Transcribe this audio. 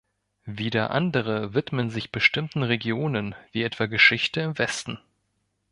Wieder andere widmen sich bestimmten Regionen, wie etwa Geschichte im Westen.